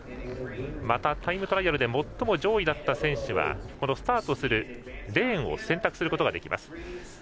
また、タイムトライアルで最も上位だった選手はスタートするレーンを選択することができます。